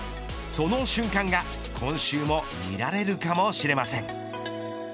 その瞬間が今週も見られるかもしれません。